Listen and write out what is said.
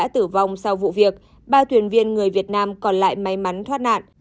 tử vong sau vụ việc ba thuyền viên người việt nam còn lại may mắn thoát nạn